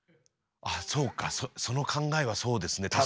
あっそうかその考えはそうですね